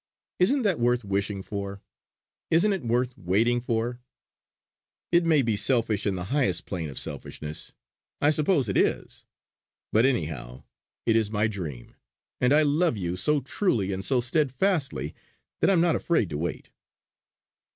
Isn't that worth wishing for; isn't it worth waiting for? It may be selfish in the highest plane of selfishness; I suppose it is. But anyhow, it is my dream; and I love you so truly and so steadfastly that I am not afraid to wait!"